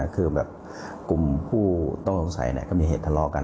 คือแบบกลุ่มผู้ต้องสงสัยก็มีเหตุทะเลาะกัน